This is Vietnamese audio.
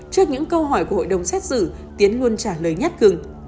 trước những câu hỏi của hội đồng xét xử tiến luôn trả lời nhắc gừng